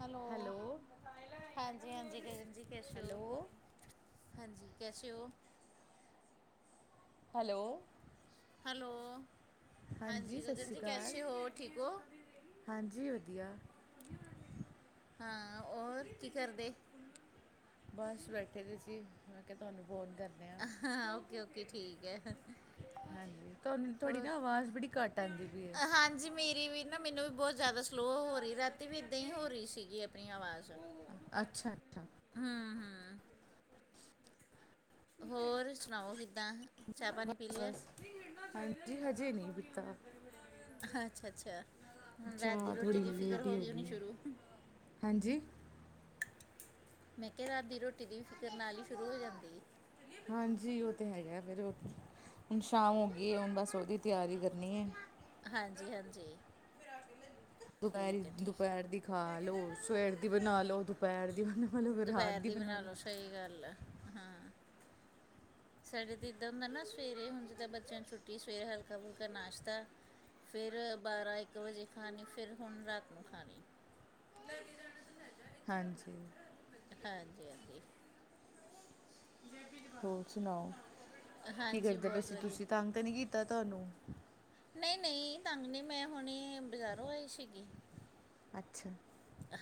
Hello. ਹਾਂਜੀ-ਹਾਂਜੀ ਗਗਨ ਜੀ ਕੈਸੇ ਹੋ? ਹੈਲੋ ਹਾਂਜੀ, ਕੈਸੇ ਹੋ? ਹੈਲੋ। ਹੈਲੋ। ਹਾਂਜੀ ਸਤਿ ਗਗਨ ਸ਼੍ਰੀ ਜੀ ਅਕਾਲ ਕੈਸੇ ਹੋ, ਠੀਕ ਹੋ? ਹਾਂਜੀ ਵਧੀਆ ਹਾਂ, ਔਰ ਕੀ ਕਰਦੇ? ਬਸ ਬੈਠੇ ਹੋਏ ਸੀ, ਮੈਂ ਕਿਹਾ ਤੁਹਾਨੂੰ ਫ਼ੋਨ ਕਰਨੇ ਆਂ। ਹਾਂ, ਓਕੇ-ਓਕੇ ਠੀਕ ਐ। ਹਾਂਜੀ, ਤੁਹਾਨੂੰ, ਤੁਹਾਡੀ ਨਾ ਅਵਾਜ਼ ਬੜੀ ਘੱਟ ਆਂਦੀ ਪਈ ਏ। ਹਾਂਜੀ, ਮੀਂ ਵੀ ਨਾ ਮੈਨੂੰ ਵੀ ਬਹੁਤ ਜਿਆਦਾ ਸਲੋਅ ਹੋ ਰਹੀ, ਰਾਤੀਂ ਵੀ ਏਦਾਂ ਹੀ ਹੋ ਰਹੀ ਸੀਗੀ, ਆਪਣੀ ਆਵਾਜ਼। ਅੱਛਾ-ਅੱਛਾ। ਹੂੰ, ਹੂੰ। ਹੋਰ ਸੁਣਾਓ, ਕਿੱਦਾਂ? ਚਾਹ-ਪਾਣੀ ਪੀ ਲਿਆ? ਬਸ ਹਾਂਜੀ ਹਜੇ ਨਹੀਂ ਪੀਤਾ ਅੱਛਾ। ਅੱਛਾ, ਰ੍ਹਾਤ ਦੀ ਚਾਹ ਰ੍ਹੋਟੀ ਥੋੜ੍ਹੀ ਦੀ ਫਿਕਰ ਲੇਟ ਹੀ ਹੋ ਹੋਗੀ ਹੋਣੀ, ਗਈ ਹੈ ਸ਼ੁਰੂ। ਹਾਂਜੀ! ''ਮੈਂ ਕਿਹਾ ਰਾਤ ਦੀ ਰੋਟੀ ਦੀ ਵੀ ਫ਼ਿਕਰ ਨਾਲ ਹੀ ਸ਼ੁਰੂ ਹੋ ਜਾਂਦੀ ਏ। ਹਾਂਜੀ, ਓਹ ਤਾਂ ਹੈਗਾ ਫਿਰ‌। ਹੁਣ ਸ਼ਾਮ ਹੋਗੀ ਏ, ਹੁਣ ਬਸ ਓਹਦੀ ਤਿਆਰੀ ਕਰਨੀ ਏ। ਹਾਂਜੀ-ਹਾਂਜੀ। ਦੁਪਹਿਰੀ, ਦੁਪਹਿਰ ਦੀ ਖਾਲੋ, ਜਾਣਾ ਨਾਲ ਕਿ ਸਵੇਰ ਦੀ ਰੱਖਣਾ ਬਣਾਲੋ, ਇੱਥੇ ਦੁਪਹਿਰ ਦੀ ਬਣਾਲੋ, ਫੇਰ ਰਾਤ ਦੀ ਬਣਾਲੋ। ਛਈ ਗੱਲ ਆ। ਹਾਂ [inaudible] ਸਾਡੇ ਤੇ ਇੱਦਾਂ ਹੁੰਦਾ ਨਾ ਸਵੇਰੇ ਹੁੰਣ ਜਿਦਾਂ ਬੱਚਿਆਂ ਨੂੰ ਛੁੱਟੀ ਏ, ਸਵੇਰੇ ਹਲਕਾ-ਫੁਲਕਾ ਨਾਸ਼ਤਾ ਫਿਰ ਬਾਰ੍ਹਾ-ਇੱਕ ਵਜੇ ਖਾਣੀ, ਫਿਰ ਹੁਣ ਰਾਤ ਨੂੰ ਖਾਣੀ। ਹਾਂਜੀ। ਹਾਂਜੀ-ਹਾਂਜੀ। ਹੋਰ ਸੁਣਾਓ, ਕੀ ਹਾਂਜੀ ਕਰਦੇ ਪਏ ਬਹੁਤ ਸੀ ਵਧੀਆ ਤੁਸੀਂ, ਤੰਗ ਤਾਂ ਨਹੀਂ ਕੀਤਾ ਤੁਹਾਨੂੰ? ਨਹੀਂ-ਨਹੀਂ ਤੰਗ ਨਹੀਂ, ਮੈਂ ਹੁਣੀ, ਬਜ਼ਾਰੋਂ ਆਈ ਸੀਗੀ। ਅੱਛਾ,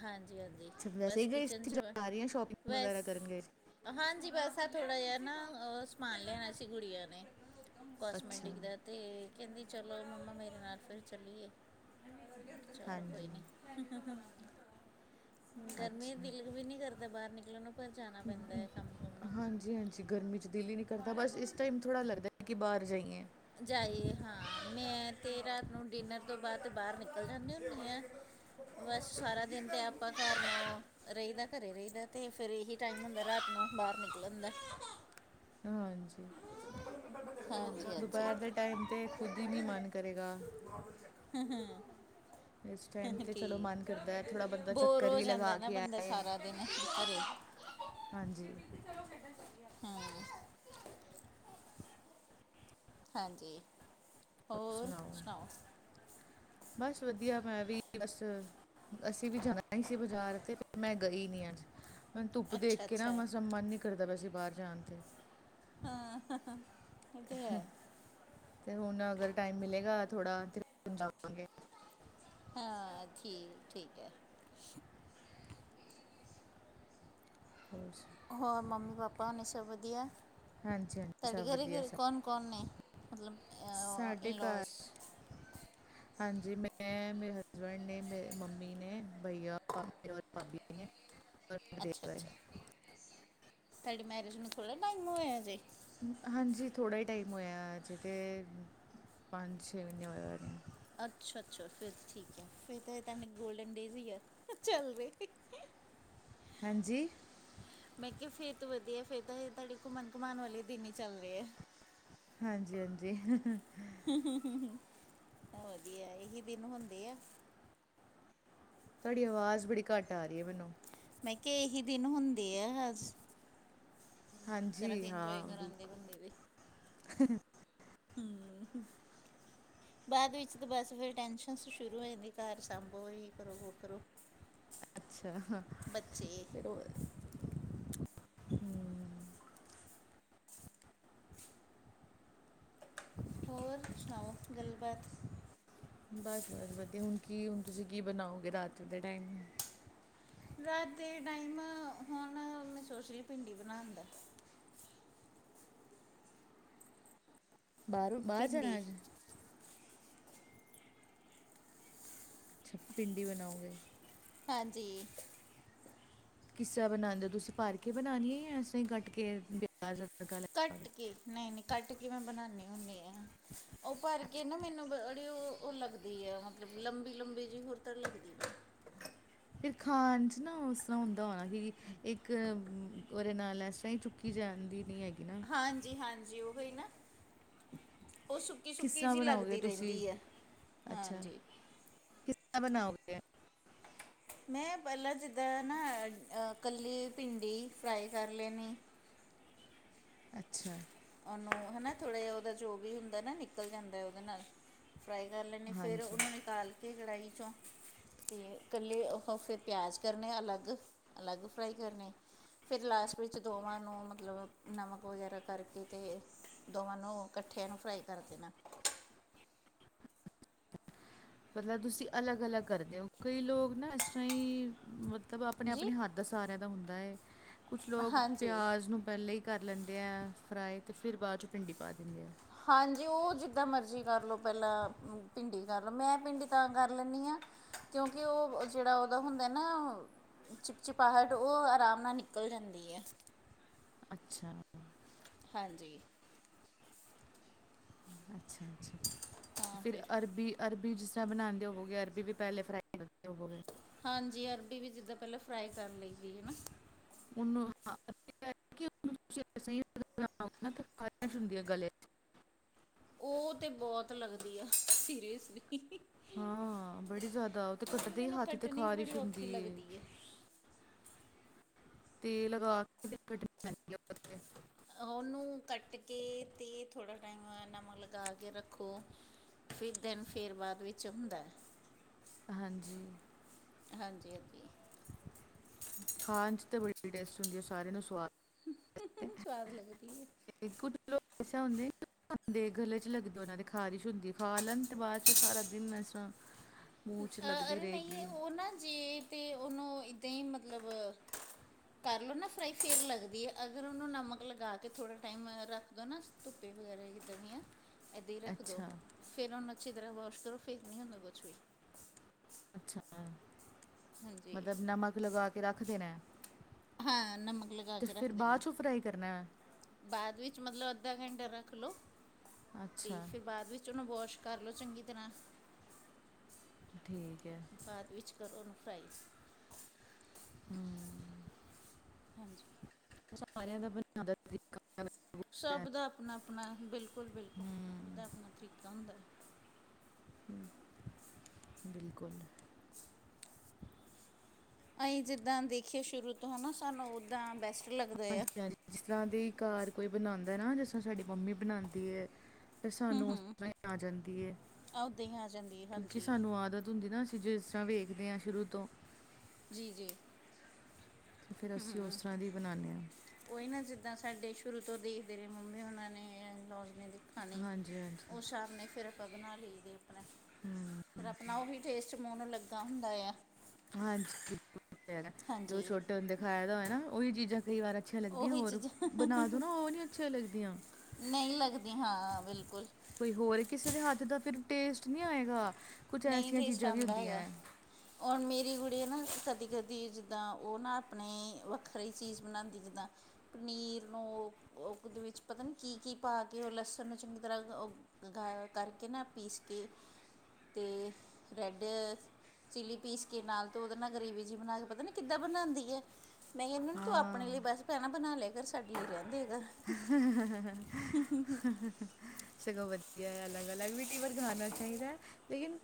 ਹਾਂਜੀ ਹਾਂਜੀ ਅੱਛਾ ਵੈਸੇ ਬਸ ਹੀ ਗਏ ਕਿਚਨ ਸੀ 'ਚ ਜਾਂ ਵਿਆਹ ਦੀਆਂ ਸ਼ੋਪਿੰਗ ਬਸ ਵਗੈਰਾ ਕਰਨ ਗਏ ਸੀ। ਹਾਂਜੀ ਬਸ ਆ ਥੋੜ੍ਹਾ ਜਿਹਾ ਨਾ, ਅ ਸਮਾਨ ਲਿਆਣਾ ਸੀ ਗੁੜੀਆ ਨੇ। ਅੱਛਾ ਕੋਸਮੈਟਿਕ ਦਾ, ਤੇ ਕਹਿੰਦੀ ਚਲੋ ਮੰਮਾ ਮੇਰੇ ਨਾਲ ਫਿਰ ਚੱਲੀਏ। ਹਾਂਜੀ। ਹ ਹ ਹ ਹ। ਗਰਮੀ'ਚ ਅੱਛਾ ਦਿਲ ਵੀ ਨੀ ਕਰਦਾ ਬਾਹਰ ਨਿਕਲਣ ਨੂੰ, ਪਰ ਜਾਣਾ ਪੈਂਦਾ ਹੈ ਕੰਮ-ਕੁੰਮ ਨੂੰ। ਗਰਮੀ'ਚ ਦਿਲ ਹੀ ਨਹੀਂ ਕਰਦਾ, ਬਸ ਇਸ ਟਾਈਮ ਥੋੜ੍ਹਾ ਲੱਗਦਾ ਹੈ ਕਿ ਬਾਹਰ ਜਾਈਏ। ਜਾਈਏ ਹਾਂ। 'ਮੈਂ' ਤੇ ਰਾਤ ਨੂੰ ਡਿਨਰ ਤੋਂ ਬਾਅਦ ਬਾਹਰ ਨਿਕਲ ਜਾਂਦੀ ਹੁੰਨੀ ਹਾਂ। ਬੱਸ ਸਾਰਾ ਦਿਨ ਤੇ ਆਪਾਂ ਘਰ ਨੂੰ ਰਹੀਦਾ, ਘਰੇ ਰਹੀਦਾ ਤੇ ਫੇਰ ਇਹੀ ਟਾਈਮ ਹੁੰਦਾ ਰਾਤ ਨੂੰ ਬਾਹਰ ਨਿਕਲਣ ਦਾ। ਹਾਂਜੀ। ਹਾਂਜੀ ਦੁਪਹਿਰ ਦੇ ਟਾਈਮ ਤੇ ਖੁਦ ਹੀ ਨੀ ਮਨ ਕਰੇਗਾ। ਇਸ ਟਾਈਮ ਹੂੰ-ਹੂੰ 'ਤੇ ਚਲੋ ਮਨ ਠੀਕ ਕਰਦਾ ਹੈ ਥੋੜ੍ਹਾ ਬੰਦਾ ਬੋਰ ਚੱਕਰ ਹੋ ਵੀ ਜਾਂਦਾ ਲਗਾ ਨਾ ਕੇ ਬੰਦਾ ਆਏ ਸਾਰਾ ਦਿਨ ਘਰੇ [inaudible] ਹਾਂਜੀ ਹਮ ਹਾਂਜੀ ਹੋਰ ਸੁਣਾਓ ਬਸ ਵਧੀਆ ਮੈਂ ਵੀ ਬਸ ਅਸੀਂ ਵੀ ਜਾਣਾ ਹੀ ਸੀ ਬਜ਼ਾਰ ਤੇ ਪਰ ਮੈਂ ਗਈ ਨੀ ਅੱਜ ਮੈਨੂੰ ਧੁੱਪ ਦੇਖ ਅੱਛਾ ਕੇ ਨਾ ਅੱਛਾ ਬਸ ਮਨ ਨਹੀਂ ਕਰਦਾ ਪਿਆ ਸੀ ਬਾਹਰ ਜਾਣ ਤੇ ਹਾਂ [inaudible] ਹਂ ਹੈ ਤੇ ਹੁਣ ਅਗਰ ਟਾਈਮ ਮਿਲੇਗਾ ਥੋੜਾ ਘੁੰਮਣ ਜਾਵਾਂਗੇ। ਹਾਂ ਠੀਕ-ਠੀਕ ਹੈ। ਹੋਰ ਸੁਣਾਓ ਹੋਰ ਮੰਮੀ-ਪਾਪਾ ਹੁਣੇ ਸਭ ਵਧੀਆ ਹਾਂਜੀ ਹਾਂਜੀ ਤੁਹਾਡੇ ਸਭ ਵਧੀਆ ਘਰੇ-ਘਰੇ ਸਭ ਕੌਣ ਕੌਣ ਨੇ ਮਤਲਬ ਸਾਡੇ ਘਰ ਇਨਲੋਜ ਹਾਂਜੀ ਮੈਂ ਮੇਰੇ ਹਸਬੈਂਡ ਨੇ ਮੇਰੇ ਮੰਮੀ ਨੇ ਭਈਆ ਔਰ ਭਾਬੀ ਨੇ ਔਰ ਮੇਰੇ ਦੇਵਰ ਅੱਛਾ-ਅੱਛਾ ਹੈ। ਤੁਹਾਡੀ ਮੈਰਿਜ ਨੂੰ ਥੋੜ੍ਹਾ ਟਾਈਮ ਹੋਇਆ ਅਜੇ ਹਾਂਜੀ ਥੋੜ੍ਹਾ ਹੀ ਟਾਈਮ ਹੋਇਆ ਜੇ ਤਾਂ ਪੰਜ ਛੇ ਮਹੀਨੇ ਹੋਏ। ਅੱਛਾ- ਅੱਛਾ ਫਿਰ ਠੀਕ ਹੈ ਫਿਰ ਤਾਂ ਇਹ ਤੁਹਾਨੂੰ ਗੋਲਡਨ ਡੇਜ਼ ਹੀ ਆ ਚੱਲ ਰਹੇ। ਹਾਂਜੀ ਮੈਂ ਕਿਹਾ ਫਿਰ ਤੋਂ ਵਧੀਆ ਫੇਰ ਤਾਂ ਤੁਹਾਡੇ ਘੁੰਮਣ ਘਾਮਣ ਵਾਲੇ ਦਿਨ ਹੀ ਚੱਲ ਰਹੇ ਹੈ। ਹਾਂਜੀ-ਹਾਂਜੀ [inaudible] ਵਧੀਆ ਇਹੀ ਦਿਨ ਹੁੰਦੇ ਆ। ਤੁਹਾਡੀ ਆਵਾਜ਼ ਬੜੀ ਘੱਟ ਆ ਰਹੀ ਹੈ ਮੈਨੂੰ ਮੈਂ ਕਿਹਾ ਇਹੀ ਦਿਨ ਹੁੰਦੇ ਆ। ਜਰਾ ਕੇ ਹਾਂਜੀ ਇੰਜੋਏ ਹਾਂ ਕਰ ਆਉਂਦੇ ਬਿਲਕੁਲ ਬੰਦੇ ਦੇ [inaudible] ਹੂੰ ਬਾਅਦ ਵਿੱਚ ਤਾਂ ਬਸ ਫਿਰ ਟੈਂਸ਼ਨਸ ਸ਼ੁਰੂ ਹੋ ਜਾਂਦੀ ਘਰ ਸਾਂਭੋ ਇਹ ਕਰੋ ਵੋ ਕਰੋ। ਅੱਛਾ ਬੱਚੇ ਉਹ ਹਮ ਹੋਰ ਸੁਣਾਓ ਗੱਲਬਾਤ ਬਸ-ਬਸ ਵਧੀਆ ਹੁਣ ਕੀ ਹੁਣ ਤੁਸੀਂ ਕੀ ਬਣਾਓਗੇ ਰਾਤ ਦੇ ਟਾਈਮ ਰਾਤ ਦੇ ਟਾਈਮ ਹੁਣ ਮੈਂ ਸੋਚ ਰਹੀ ਭਿੰਡੀ ਬਣਾਣ ਦਾ ਬਾਹਰੋਂ ਬਾਹਰ ਜਾਣਾ ਭਿੰਡੀ ਅੱਜ ਅੱਛਾ ਭਿੰਡੀ ਬਣਾਓਗੇ। ਹਾਂਜੀ ਕਿਸ ਤਰ੍ਹਾਂ ਬਣਾਂਦੇ ਹੋ ਤੁਸੀਂ ਭਰ ਕੇ ਬਣਾਣੀ ਹੈ ਜਾਂ ਇਸ ਤਰ੍ਹਾਂ ਹੀ ਕੱਟ ਕੇ ਪਿਆਜ ਅਦਰਕ ਦਾ ਤੜਕਾ ਲ ਕੱਟ ਕੇ ਨਹੀਂ-ਨਹੀਂ ਕੱਟ ਕੇ ਮੈਂ ਬਣਾਂਨੀ ਹੁੰਨੀ ਹਾਂ। ਉਹ ਭਰ ਅੱਛਾ ਕੇ ਨਾ ਮੈਨੂੰ ਬੜੀ ਉਹ-ਉਹ ਲੱਗਦੀ ਆ ਮਤਲਬ ਲੰਬੀ-ਲੰਬੀ ਜਿਹੀ ਹੋਰ ਤਾਂ ਲੱਗਦੀ। ਫਿਰ ਖਾਣ 'ਚ ਨਾ ਉਸ ਤਰ੍ਹਾਂ ਹੁੰਦਾ ਹੋਣਾ ਕਿ ਇੱਕ ਉਹਦੇ ਨਾਲ ਲੈ ਇਸ ਤਰਾਂ ਚੁ ਕੀ ਜਾਣਦੀ ਨਹੀਂ ਹੈਗੀ ਨਾ। ਹਾਂਜੀ-ਹਾਂਜੀ ਉਹ ਹੀ ਨਾ ਉਹ ਸੁ ਕਿਸ ਸੁੱਕੀ-ਸੁੱਕੀ ਤਰ੍ਹਾਂ ਜੀ ਬਣਾਓਗੇ ਲੱਗਦੀ ਤੁਸੀਂ ਰਹਿੰਦੀ ਹੈ ਹਾਂਜੀ। ਦਾਂ ਬਣਾਓਗੇ। [inaudible] ਮੈਂ ਪਹਿਲਾਂ ਜਿੱਦਾਂ ਨਾ ਕੱਲੀ ਭਿੰਡੀ ਫਰਾਈ ਕਰ ਲੈਣੀ। ਅੱਛਾ ਉਹਨੂੰ ਹਨਾ ਥੋੜ੍ਹਾ ਜਿਹਾ ਉਹਦਾ ਜੋ ਵੀ ਹੁੰਦਾ ਨਾ ਨਿਕਲ ਜਾਂਦਾ ਉਹਦੇ ਨਾਲ ਫਰਾਈ ਕਰ ਲੈਂਦੇ ਫਿਰ ਹਾਂਜੀ ਉਹਨੂੰ ਨਿਕਾਲ ਕੇ ਕੜਾਹੀ ਚੋਂ ਤੇ ਇਕੱਲੇ ਉਹ ਫਿਰ ਪਿਆਜ਼ ਕਰਨੇ ਅਲੱਗ-ਅਲੱਗ ਫਰਾਈ ਕਰਨੇ। ਫਿਰ ਲਾਸਟ ਵਿੱਚ ਦੋਵਾਂ ਨੂੰ ਮਤਲਬ ਨਮਕ ਵਗੈਰਾ ਕਰਕੇ, ਤੇ ਦੋਵਾਂ ਨੂੰ ਇਕੱਠਿਆਂ ਨੂੰ ਫਰਾਈ ਕਰ ਦੇਣਾ। ਮਤਲਬ ਤੁਸੀਂ ਅਲੱਗ, ਅਲੱਗ ਕਰਦੇ ਹੋ, ਕਈ ਲੋਕ ਨਾ ਇਸ ਤਰ੍ਹਾਂ ਹੀ, ਮਤਲਬ ਆਪਣੇ ਜੀ ਆਪਣੇ ਹੱਥ ਦਾ ਸਾਰਿਆਂ ਦਾ ਹੁੰਦਾ ਹੈ, ਕੁਛ ਲੋਕ ਹਾਂਜੀ ਪਿਆਜ਼ ਨੂੰ ਪਹਿਲੇ ਕਰ ਲੈਂਦੇ ਹੈ ਫਰਾਈ, ਤੇ ਫਿਰ ਬਾਅਦ 'ਚ ਭਿੰਡੀ ਪਾ ਦਿੰਦੇ ਆ। ਹਾਂਜੀ ਉਹ ਜਿੱਦਾਂ ਮਰਜ਼ੀ ਕਰ ਲਉ, ਪਹਿਲਾਂ ਭਿੰਡੀ ਕਰ ਲਉ, ਮੈਂ ਭਿੰਡੀ ਤਾਂ ਕਰ ਲੈਂਦੀ ਹਾਂ। ਕਿਉਂਕਿ ਉਹ ਜਿਹੜਾ ਉਹਦਾ ਹੁੰਦਾ ਨਾ। ਚਿਪਚਿਪਾਹਟ, ਉਹ ਆਰਾਮ ਨਾਲ ਨਿਕਲ ਜਾਂਦੀ ਹੈ। ਅੱਛਾ। ਹਾਂਜੀ। ਅੱਛਾ, ਅੱਛਾ ਫਿਰ ਅਰਬੀ, ਅਰਬੀ ਜਿਸ ਤਰ੍ਹਾਂ ਬਣਾਉਂਦੇ ਹੋਵਗੇ, ਅਰਬੀ ਵੀ ਪਹਿਲੇ ਫਰਾਈ ਬ [unintelligible] ਹਾਂਜੀ ਅਰਬੀ ਵੀ ਜਿੱਦਾਂ ਪਹਿਲਾਂ ਫਰਾਈ ਕਰ ਲਈਦੀ ਹਨਾ। ਉਨੂੰ ਸਹੀ ਤਰੀਕੇ ਨਾਲ ਨਾ ਬਣਾਓ, ਤਾਂ ਖਾਦਿਸ਼ ਹੁੰਦੀ ਆ ਗਲੇ ਵਿੱਚ। ਉਹ ਤੇ ਬਹੁਤ ਲੱਗਦੀ ਆ, ਸੀਰੀਅਸਲੀ ਹਾਂ ਬੜੀ ਜ਼ਿਆਦਾ, ਉਹ ਤੇ ਕੱਟਦੇ ਹੀ ਮੈਨੂੰ ਹੱਥ ਤੇ ਕੱਟਣੀ ਵੀ ਖ਼ਾਰਿਸ਼ ਬੜੀ ਔਖੀ ਹੁੰਦੀ। ਲੱਗਦੀ ਹੈ ਤੇ ਲਗਾ ਕੇ, ਤੇ ਕਟਣੀ ਪਹਿਦੀ ਐ ਉਹਨੂੰ ਕੱਟ ਕੇ ਤੇ ਥੋੜ੍ਹਾ ਟਾਈਮ, ਨਮਕ ਲਗਾ ਕੇ ਰੱਖੋ ਫਿਰ ਦਿਨ, ਫੇਰ ਬਾਅਦ ਵਿੱਚ ਹੁੰਦਾ ਹੈ ਹਾਂਜੀ ਹਾਂਜੀ ਹਾਂਜੀ ਖਾਣ ਚ ਤੇ ਬੜੀ ਟੇਸਟੀ ਹੁੰਦੀ ਐ, ਸਾਰਿਆਂ ਨੂੰ ਸਵਾਦ ਸਵਾਦ ਲੱਗਦੀ ਹੈ ਇੱਕ ਔ ਦੀ ਲੁਕ ਇਸ ਤਰਹ ਹੋਂਦੀ ਏ ਖਾਂਦੇ, ਗਲੇ ਚ ਲੱਗਦੇ ਉਹਨਾਂ ਦੀ ਖ਼ਾਰਿਸ਼ ਹੁੰਦੀ, ਖਾ ਲੈਣ ਤੇ ਬਾਅਦ ਚ ਉਹ ਸਾਰਾ ਦਿਨ ਨਸ਼ਾ। ਮੂੰਹ 'ਚ ਅ ਲੱਗਦੀ ਅਰੇ ਨਹੀਂ ਰਹੇਗੀ। ਉਹ ਜੀ। ਅਤੇ ਉਹਨੂੰ, ਇੱਦਾਂ ਹੀ ਮਤਲਬ ਕਰ ਲਉ ਨਾ ਫਰਾਈ, ਫਿਰ ਲੱਗਦੀ ਹੈ, ਅਗਰ ਉਹਨੂੰ ਨਮਕ ਲਗਾ ਕੇ ਥੋੜ੍ਹਾ ਟਾਈਮ ਰੱਖ ਦਿਉ ਨਾ। ਧੁੱਪੇ ਵਗੈਰਾ ਕੀਤੀ ਦੀ ਆ। ਇੱਦਾਂ ਹੀ ਰੱਖ ਦੋ, ਅੱਛਾ ਫੇਰ ਉਹਨੂੰ ਅੱਛੀ ਤਰ੍ਹਾਂ ਵਾਸ਼ ਕਰੋ, ਫਿਰ ਨਹੀਂ ਹੁੰਦਾ ਕੁਛ ਵੀ। ਅੱਛਾ, ਹਾਂਜੀ ਮਤਲਬ ਨਮਕ ਲਗਾ ਕੇ ਰੱਖਦੇਣਾ। ਹਾਂ ਨਮਕ ਲਗਾ ਤੇ ਕੇ ਫਿਰ ਰੱਖ ਬਾਅਦ ਦੇਣਾ ਚੋਂ ਫਰਾਈ ਕਰਨਾ ਹੈ। ਬਾਅਦ ਵਿੱਚ, ਮਤਲਬ ਅੱਧਾ ਘੰਟਾ ਰੱਖ ਲਓ, ਤੇ ਅੱਛਾ ਫਿਰ ਬਾਅਦ ਵਿੱਚ ਉਹਨੂੰ ਵਾਸ਼ ਕਰਲਓ ਚੰਗੀ ਤਰ੍ਹਾਂ। ਠੀਕ ਹੈ। ਬਾਅਦ ਵਿੱਚ ਕਰੋ ਉਹਨੂੰ ਫਰਾਈ। ਹੂੰ ਹਾਂਜੀ। ਸਾਰਿਆਂ ਦਾ ਬਨਾਣ ਦਾ ਤਰੀਕਾ। ਅਲੱਗ ਹੁੰਦਾ ਹੈ। ਸਭ ਦਾ ਆਪਣਾ ਆਪਣਾ ਬਿਲਕੁਲ ਬਿਲਕੁਲ ਹੂੰ ਆਪਣਾ ਆਪਣਾ ਤਰੀਕਾ ਹੁੰਦਾ ਬਿਲਕੁਲ ਅਸੀਂ ਜਿੱਦਾਂ ਦੇਖੀਏ ਸ਼ੁਰੂ ਤੋਂ ਹੈ ਨਾ, ਸਾਨੂੰ ਉੱਦਾਂ ਬੈਸਟ ਲੱਗਦਾ ਆ ਹਾਂਜੀ ਹਾਂਜੀ ਜਿਸ ਤਰ੍ਹਾਂ ਦੀ ਘਰ ਕੋਈ ਬਣਾਉਂਦਾ ਨਾ, ਜਿਸ ਤਰ੍ਹਾਂ ਸਾਡੀ ਮੰਮੀ ਬਣਾਉਂਦੀ ਹੈ ਫਿਰ ਹੂੰ ਸਾਨੂੰ ਉਸ ਹੂੰ ਤਰਾਂ ਆ ਜਾਂਦੀ ਹੈ, ਓਦਾਂ ਹੀ ਆ ਜਾਂਦੀ ਹੈ ਕਿਉਂਕਿ ਹਾਂਜੀ ਸਾਨੂੰ ਆਦਤ ਹੁੰਦੀ ਨਾ ਜਿਸ ਤਰ੍ਹਾਂ ਵੇਖਦੇ ਹਾਂ ਸ਼ੁਰੂ ਤੋਂ ਜੀ ਜੀ ਫਿਰ ਅਸੀਂ ਉਸ ਤਰ੍ਹਾਂ ਦੀ ਬਣਾਉਂਦੇ ਹਾਂ ਉਹੀ ਨਾ ਜਿੱਦਾਂ ਸਾਡੇ ਸ਼ੁਰੂ ਤੋਂ ਦੇਖਦੇ ਰਹੇ ਮੰਮੀ, ਉਹਨਾਂ ਨੇ ਲੋਸ ਨੇ ਖਾਣੀ, ਹਾਂਜੀ ਹਾਂਜੀ ਉਸ ਹਿਸਾਬ ਨਾਲ ਫਿਰ ਆਪਾਂ ਬਣਾ ਲਈ ਦੇ ਫਿਰ ਹੂਮ ਆਪਣਾ ਉਹ ਵੀ ਟੇਸਟ, ਮੂੰਹ ਨੂੰ ਲੱਗਾ ਹੁੰਦਾ ਆ ਹਾਂਜੀ ਬਿਲਕੁਲ ਠੀਕ ਹੈ, ਜੋ ਹਾਂਜੀ ਛੋਟੇ ਹੁੰਦੇ ਖਾਏ ਦਾ ਹੋਇ ਨਾ ਉਹੀ ਚੀਜ਼ਾਂ ਕਈ ਵਾਰ ਅੱਛੀਆਂ ਲੱਗਦੀਆਂ ਉਹੀ ਹੋਰ ਚੀਜ਼ਾਂ ਬਣਾ ਦੋ ਨਾ ਉਹ ਨਹੀਂ ਅੱਛੀਆਂ ਲਗਦੀਆਂ। ਨਹੀਂ ਲੱਗਦੀ ਹਾਂ ਬਿਲਕੁਲ। ਕੋਈ ਹੋਰ ਕਿਸੇ ਦੇ ਹੱਥ ਦਾ ਫਿਰ ਟੇਸਟ ਨਹੀਂ ਆਏਗਾ ਕੁਝ ਐਸੀਆਂ ਚੀਜ਼ਾਂ ਵੀ ਹੁੰਦੀਆਂ ਹੈ। ਮਣ ਮੇਰੀ ਕੁੜੀ ਨਾ ਕਦੀ ਕਦੀ ਜਿੱਦਾਂ ਉਹ ਨਾ ਆਪਣੇ ਵੱਖਰੀ ਚੀਜ਼ ਬਣਾਦੀ ਜਿੱਦਾਂ ਪਨੀਰ ਨੂੰ ਵਿੱਚ ਪਤਾ ਨਹੀਂ ਕੀ ਕੀ ਪਾ ਕੇ ਉਹ ਲਸਣ ਨੂੰ ਚੰਗੀ ਤਰ੍ਹਾਂ ਗ ਕਰਕੇ ਨਾ ਪੀਸ ਕੇ। ਅਤੇ ਰੈੱਡ। ਚਿੱਲੀ ਪੀਸ ਕੇ ਨਾਲ ਤੇ ਉਹਦੇ ਨਾਲ ਗ੍ਰਰੇਵੀ ਜਿਹੀ ਬਣਾ ਕੇ ਪਤਾ ਨਹੀਂ ਕਿੱਦਾਂ ਬਣਾਉਂਦੀ ਹੈ। ਮੈਂ ਇਹਨਾਂ ਨੂੰ ਤੂੰ ਆਪਣੇ ਹਾਂ ਲਈ ਬਸ ਭੈਣਾ ਬਣਾ ਲਿਆ ਘਰ ਸਾਡੇ ਲਈ ਰਹਿੰਦੇ ਕਰ ਸ਼ਗੋਪਤੀ ਹੈ ਅਲੱਗ ਅਲਗ ਵੀ ਕੀਵਰ ਖਾਣਾ ਚਾਹੀਦਾ ਹੈ ਲੇਕਿਨ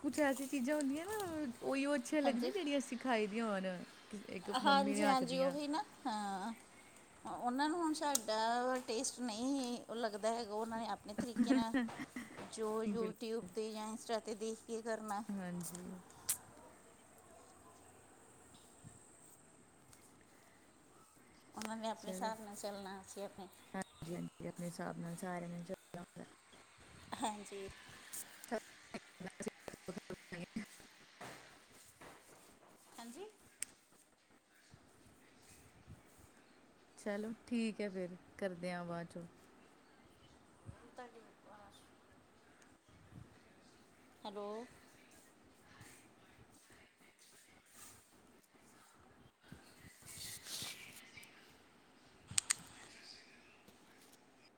ਕੁਛ ਐਸੀ ਚੀਜ਼ਾਂ ਹੁੰਦੀਆਂ ਨਾ ਉਹੀਓ ਅੱਛੀਆਂ ਲੱਗਦੀਆਂ ਹਾਂਜੀ ਜਿਹੜੀਆਂ ਸਿਖਾਈ ਦੀਆਂ ਹੋਣ। ਕਿਸ- ਇੱਕ ਮੰਮੀ ਦੇ ਹਾਂਜੀ ਹੱਥ ਹਾਂਜੀ ਦੀਆਂ ਉਹੀ ਨਾ। ਹਾਂ ਉਹਨਾਂ ਨੂੰ ਹੁਣ ਸਾਡਾ ਟੇਸਟ ਨਹੀਂ। ਉਹ ਲੱਗਦਾ ਹੈਗਾ। ਉਹਨਾਂ ਨੇ ਆਪਣੇ ਤਰੀਕੇ ਨਾ, ਜੋ ਯੂਟਿਊਬ ਬਿਲਕੁਲ 'ਤੇ ਜਾਂ ਇੰਸਟਾ 'ਤੇ ਦੇ ਕੀ ਕਰਨਾ? ਹਾਂਜੀ। ਉਹਨਾਂ ਨੇ ਆਪਣੇ ਚਲੋ ਹਿਸਾਬ ਨਾਲ ਚੱਲਣਾ। ਅਸੀਂ ਆਪਣੇ। ਹਾਂਜੀ ਹਾਂਜੀ ਆਪਣੇ ਹਿਸਾਬ ਨਾਲ ਸਾਰਿਆਂ ਨੇ ਚਲ ਹਾਂਜੀ [unintelligible] ਹਾਂਜੀ ਚਲੋ ਠੀਕ ਹੈ ਫਿਰ। ਕਰਦੇ ਆ ਬਾਅਦ ਚੋਂ। ਹਤਾ ਗ ਕੁ ਆ [unintelligible] ਹੈਲੋ